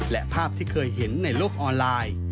และภาพที่เคยเห็นในโลกออนไลน์